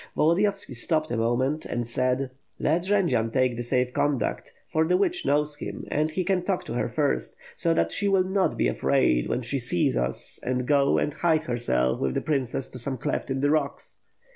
Volodiyovski stopped a moment, and said: "Let Jendzian take the safe conduct; for the witch knows him, and he can talk to her first, so that she will not be afraid when she sees us and go and hide herself with the princess in some cleft in the rocks."